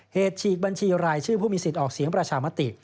ฉีกบัญชีรายชื่อผู้มีสิทธิ์ออกเสียงประชามติ